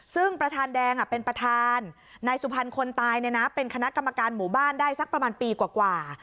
ซึ่งประธานแดงเป็นประธานนายสุพรรณคนตายเป็นคณะกรรมการหมู่บ้านได้สักประมาณปีกว่า